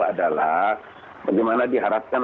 adalah bagaimana diharapkan